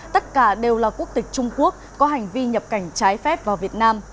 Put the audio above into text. tất cả đều là quốc tịch trung quốc có hành vi nhập cảnh trái phép vào việt nam